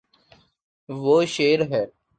وہ شیر ہے